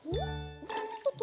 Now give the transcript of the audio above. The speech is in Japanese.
おっとっとっと！